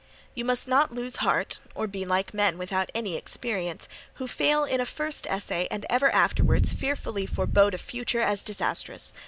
You must not lose heart, or be like men without any experience, who fail in a first essay and ever afterwards fearfully forebode a future as disastrous.